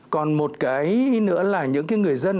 còn một cái nữa là những cái người dân